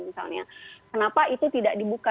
misalnya kenapa itu tidak dibuka